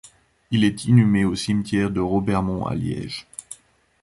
Il est inhumé au cimetière de Robermont à Liège.